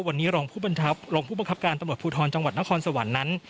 วันนี้รองผู้บังคับการตำรวจภูทรจังหวัดนครสวรรค์นั้น